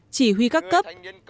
chỉ huy các cấp